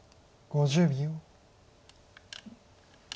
５０秒。